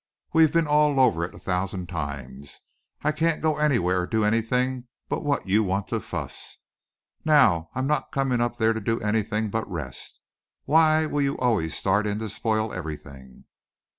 We've been all over it a thousand times. I can't go anywhere or do anything but what you want to fuss. Now I'm not coming up there to do anything but rest. Why will you always start in to spoil everything?"